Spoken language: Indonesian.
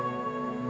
masa udah siap